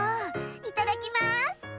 いただきます。